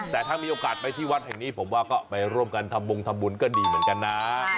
แต่ถ้ามีโอกาสไปที่วัดแห่งนี้ผมว่าก็ไปร่วมกันทำบงทำบุญก็ดีเหมือนกันนะ